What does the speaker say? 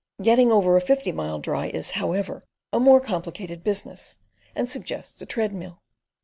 "Getting over a fifty mile dry" is, however, a more complicated business, and suggests a treadmill.